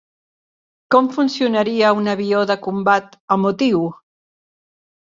Com funcionaria un avió de combat emotiu?